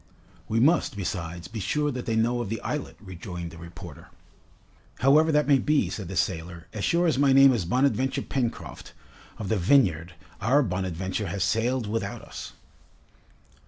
"We must, besides, be sure that they know of the islet," rejoined the reporter. "However that may be," said the sailor, "as sure as my name is Bonadventure Pencroft, of the Vineyard, our 'Bonadventure' has sailed without us!"